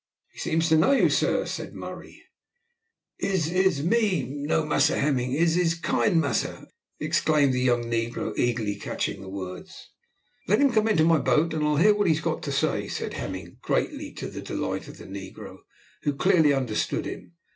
"He seems to know you, sir," said Murray. "Is, is me know Massa Hemming; is, is, kind massa," exclaimed the young negro, eagerly catching at the words. "Let him come into my boat, and I'll hear what he has got to say," said Hemming, greatly to the delight of the negro, who clearly understood him.